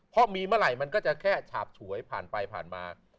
เพราะมีเมื่อไหร่มันก็จะแค่ฉาบฉวยผ่านไปผ่านมา